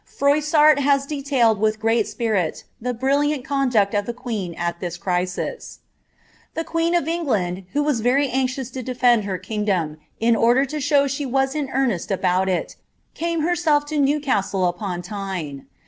Froissart has detailed willi great spirit (he brilliant roodocldf ihe queen at this crisis :— ''The queen of England, who was very anxious lo defend heikiac doni, in order to show she was in earnest about il, came faendf M Newcastle upon Tyne.